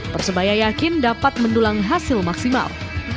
persebaya yakin dapat mendulang hasil maksimal